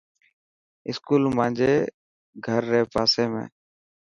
اسڪول مانجي گھر ري پاسي ۾.